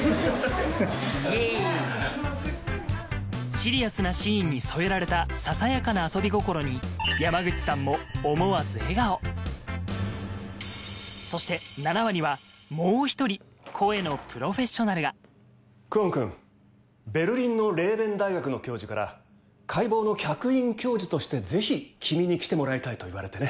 シリアスなシーンに添えられたささやかな遊び心に山口さんも思わず笑顔そして久遠君ベルリンのレーヴェン大学の教授から解剖の客員教授としてぜひ君に来てもらいたいと言われてね。